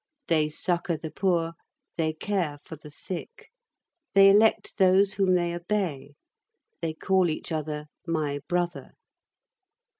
They succor the poor, they care for the sick. They elect those whom they obey. They call each other "my brother."